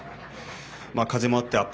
風もあってアップ